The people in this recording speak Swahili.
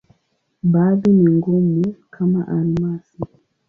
Baadhi ni ngumu, kama almasi.